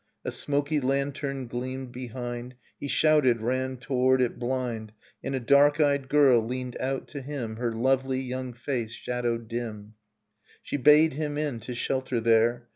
A smoky lantern gleamed behind, He shouted, ran toward it blind. And a dark eyed girl leaned out to him Her lovely young face shadowed dim. She bade him in to shelter there.